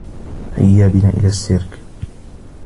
هيّا بنا إلى السّيرك.